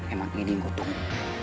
emang ini yang gua tunggu